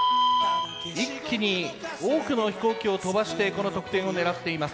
一気に多くの飛行機を飛ばしてこの得点を狙っています。